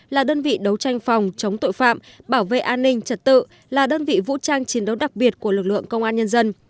là đơn vị đấu tranh phòng chống tội phạm bảo vệ an ninh trật tự là đơn vị vũ trang chiến đấu đặc biệt của lực lượng công an nhân dân